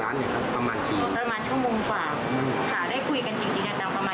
อย่างนี้ค่ะเขาอยู่กับติดด้วยไม่เห็นเหมือนที่มึงบอกไว้เลยอย่างนี้ค่ะเขาคุยกันตลอดแล้วค่ะ